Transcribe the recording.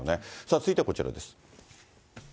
続いてはこちらです。